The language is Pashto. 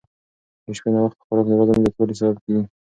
د شپې ناوخته خوراک د وزن زیاتوالي سبب کېږي.